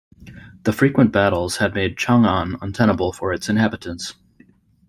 The frequent battles had made Chang'an untenable for its inhabitants.